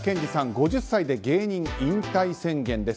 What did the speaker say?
５０歳で芸人引退宣言です。